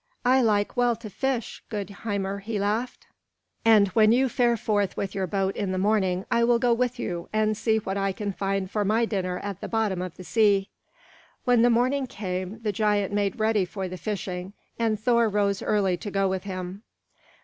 "I like well to fish, good Hymir," he laughed; "and when you fare forth with your boat in the morning, I will go with you and see what I can find for my dinner at the bottom of the sea." When the morning came, the giant made ready for the fishing, and Thor rose early to go with him.